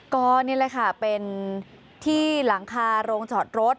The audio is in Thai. ก็นี่แหละค่ะเป็นที่หลังคาโรงจอดรถ